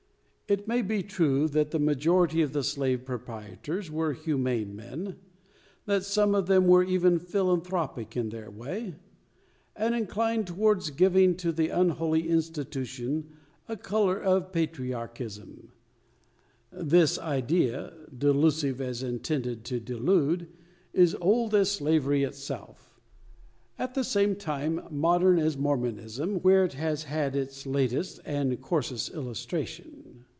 It may be true, that the majority of the slave proprietors were humane men; that some of them were even philanthropic in their way, and inclined towards giving to the unholy institution a colour of patriarchism. This idea delusive, as intended to delude is old as slavery itself; at the same time, modern as Mormonism, where it has had its latest, and coarsest illustration.